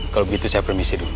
kalau begitu saya permisi dulu